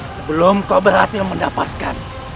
sebelum kau berhasil mendapatkan